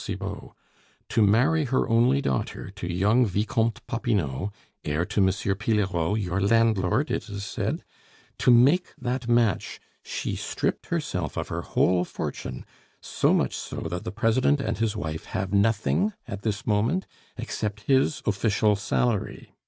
Cibot; to marry her only daughter to young Vicomte Popinot (heir to M. Pillerault, your landlord, it is said) to make that match, she stripped herself of her whole fortune, so much so that the President and his wife have nothing at this moment except his official salary.